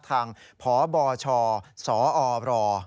ทางพบชสอร